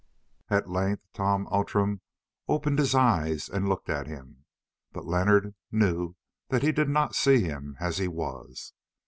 At length Tom Outram opened his eyes and looked at him, but Leonard knew that he did not see him as he was.